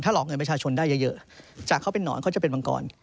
หลอกเงินประชาชนได้เยอะจากเขาเป็นนอนเขาจะเป็นมังกร